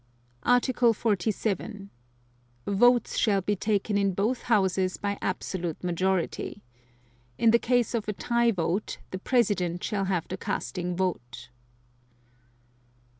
Article 47. Votes shall be taken in both Houses by absolute majority. In the case of a tie vote, the President shall have the casting vote.